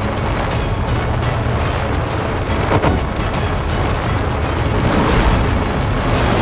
aku harus mencari tempat yang lebih aman